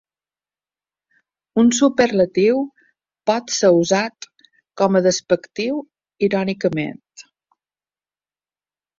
Un superlatiu pot ser usat com a despectiu irònicament.